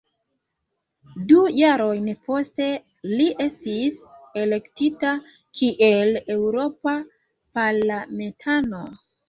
Du jarojn poste, li estis elektita kiel eŭropa parlamentano.